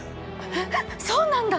えっそうなんだ？